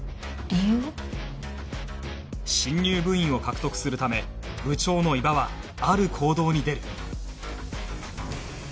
新入部員を獲得するため部長の伊庭はある行動に出る